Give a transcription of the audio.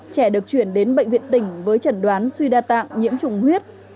trẻ được chuyển đến bệnh viện tỉnh với trần đoán suy đa tạng nhiễm trùng huyết